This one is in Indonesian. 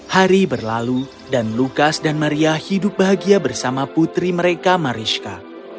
hari berlalu dan lukas dan maria hidup bahagia bersama putri mereka mariska